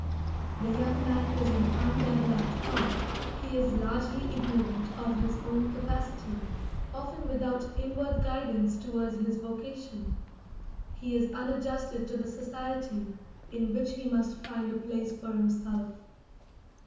The young man is an undeveloped power; he is largely ignorant of his own capacity, often without inward guidance towards his vocation; he is unadjusted to the society in which he must find a place for himself.